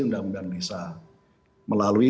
undang undang desa melalui